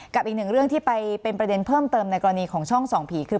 กับอีกหนึ่งเรื่องที่ไปเป็นประเด็นเพิ่มเติมในกรณีของช่องส่องผีคือ